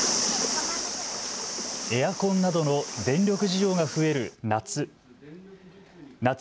エアコンなどの電力需要が増える夏。